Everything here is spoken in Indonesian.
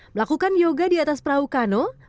melakukan yoga di atas perahu kaki dan berjalan dengan berat